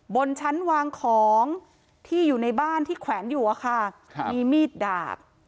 บนชั้นวางของที่อยู่ในบ้านที่แขวนอยู่อะค่ะมีมีดดาบ